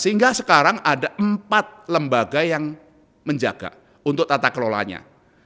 sehingga sekarang ada empat lembaga yang menjaga untuk tata kelolanya